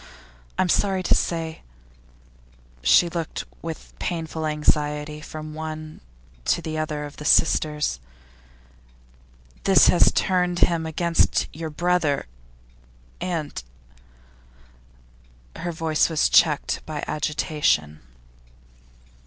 I am sorry to say' she looked with painful anxiety from one to the other of her hearers 'this has turned him against your brother, and ' Her voice was checked by agitation.